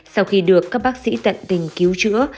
sau khi được các bác sĩ tận tình cứu chữa